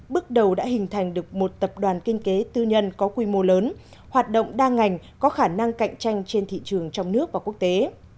bước đầu đã hình thành được một tập đoàn kinh tế tư nhân có quy mô lớn hoạt động đa ngành có khả năng cạnh tranh trên thị trường trong nước và quốc tế